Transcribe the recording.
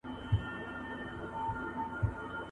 د ړندو لېونو ښار دی د هرچا په وینو سور دی !.